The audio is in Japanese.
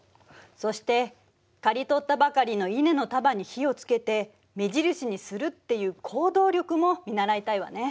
そして刈り取ったばかりの稲の束に火をつけて目印にするっていう行動力も見習いたいわね。